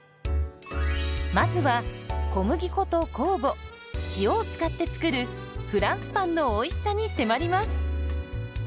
まずは小麦粉と酵母塩を使って作るフランスパンのおいしさに迫ります。